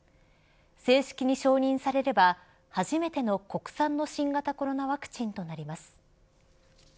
正式に承認されれば初めての国産の新型コロナワクチンとなります。